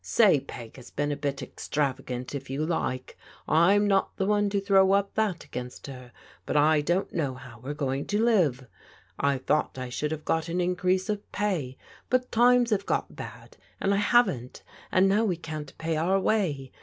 Say Peg has been a bit extravagant, if you like — I'm not the one to throw up that against her — but I don't know how we're going to live. I thought I should have got an increase of pay, but times have got bad, and I haven't, and now we can't pay our way.